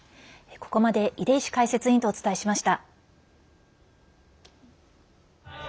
ここまで出石解説委員とお伝えしました。